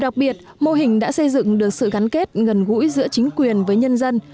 đặc biệt mô hình đã xây dựng được sự gắn kết gần gũi giữa chính quyền với nhân dân